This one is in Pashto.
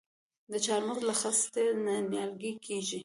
د چهارمغز له خستې نیالګی کیږي؟